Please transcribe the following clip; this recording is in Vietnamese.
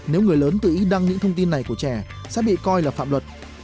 nếu người lớn tự ý đăng những thông tin này của trẻ sẽ bị coi là phạm luật